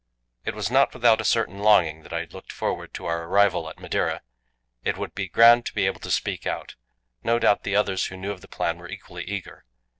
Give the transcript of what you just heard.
It was not without a certain longing that I looked forward to our arrival at Madeira: it would be grand to be able to speak out! No doubt the others who knew of the plan were equally eager.